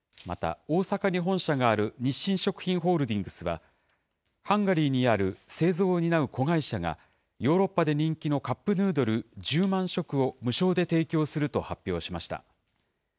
また、大阪に本社がある日清食品ホールディングスは、ハンガリーにある製造を担う子会社が、ヨーロッパで人気のカップヌードル１０万食を無償で提供すると発表しました。